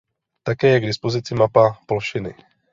Také je k dispozici mapa plošiny.